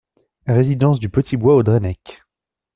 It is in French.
Résidence du Petit Bois au Drennec